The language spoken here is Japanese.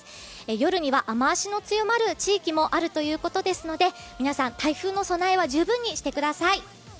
夜には雨足の強まる地域もあるということですので、皆さん、台風の備えは十分にしてください。